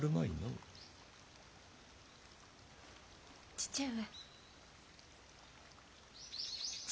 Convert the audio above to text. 父上。